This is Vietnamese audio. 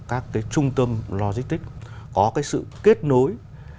các trung tâm logistics có sự kết nối